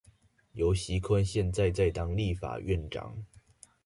游錫堃現在在當立法院長